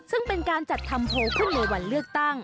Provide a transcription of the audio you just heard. ซึ่งเป็นการจัดทำโพลขึ้นในวันเลือกตั้ง